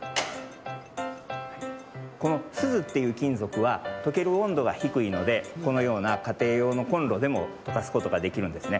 このすずっていうきんぞくはとけるおんどがひくいのでこのようなかていようのコンロでもとかすことができるんですね。